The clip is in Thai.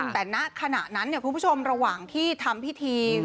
แต่ณขณะนั้นคุณผู้ชมระหว่างที่ทำพิธี